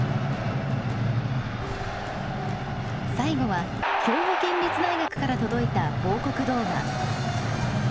最後は兵庫県立大学から届いた報告動画。